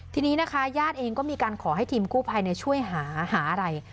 ทีนี้นะคะญาติเองก็มีการขอให้ทีมกู้ภัยช่วยหาอะไร